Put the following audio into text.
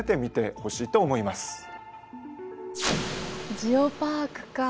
ジオパークか。